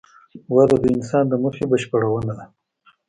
وده د انسان د موخې بشپړونه ده.